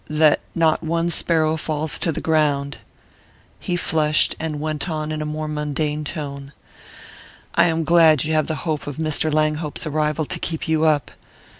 that not one sparrow falls to the ground...." He flushed, and went on in a more mundane tone: "I am glad you have the hope of Mr. Langhope's arrival to keep you up.